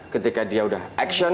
ketika dia udah action